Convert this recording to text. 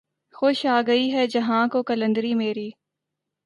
خوش آ گئی ہے جہاں کو قلندری میری